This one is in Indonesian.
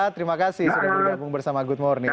terima kasih sudah bergabung bersama good morning